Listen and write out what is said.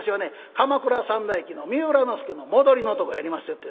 『鎌倉三代記』の三浦之助の戻りのとこやりますよって。